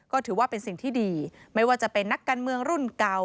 ก็ถือว่าเป็นสิ่งที่ดีไม่ว่าจะเป็นนักการเมืองรุ่นเก่า